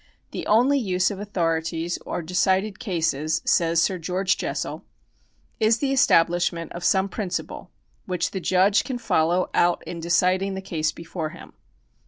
" The only use of authorities or decided cases," says Sir George Jessel, " is the establishment of some principle, which the judge can follow out in deciding the case before him."